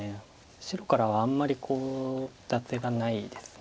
白からはあんまりコウ立てがないです。